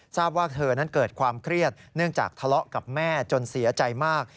ทราบว่าเธอนั้นเกิดความเครียดเนื่องจากทะเลาะกับแม่จนเสียใจมาก